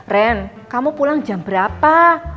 ren kamu pulang jam berapa